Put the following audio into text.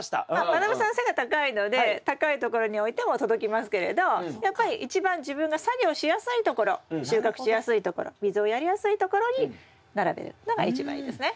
まなぶさん背が高いので高いところに置いても届きますけれどやっぱり一番自分が作業しやすいところ収穫しやすいところ水をやりやすいところに並べるのが一番いいですね。